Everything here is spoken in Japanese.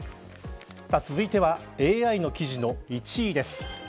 続いてはＡＩの記事の１位です。